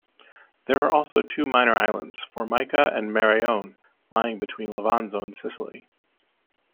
There are also two minor islands, Formica and Maraone, lying between Levanzo and Sicily.